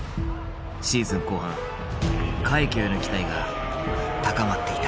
シーズン後半快挙への期待が高まっていた。